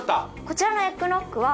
こちらのエッグノッグは。